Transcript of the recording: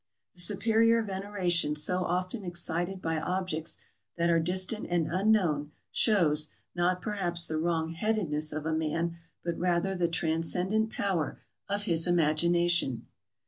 The superior veneration so often excited by objects that are distant and unknown, shows, not perhaps the wrong headedness of a man, but rather the transcendent power of his imagination.